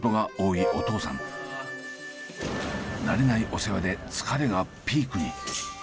慣れないお世話で疲れがピークに。